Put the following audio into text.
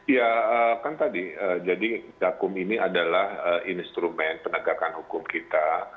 ya kan tadi jadi gakum ini adalah instrumen penegakan hukum kita